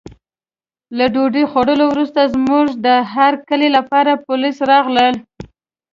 له ډوډۍ خوړو وروسته زموږ د هرکلي لپاره پولیس راغلل.